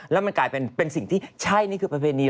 แล้วมันกลายเป็นสิ่งที่ใช่นี่คือประเพณี